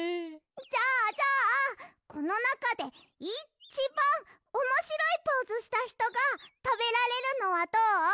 じゃあじゃあこのなかでいっちばんおもしろいポーズしたひとがたべられるのはどう？